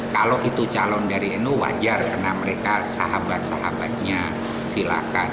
kalau itu calon dari nu wajar karena mereka sahabat sahabatnya silahkan